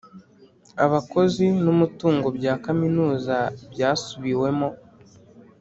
abakozi numutungo bya kaminuza byasubiwemo